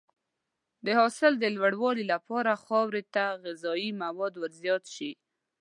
د حاصل د لوړوالي لپاره خاورې ته غذایي مواد ورزیات شي.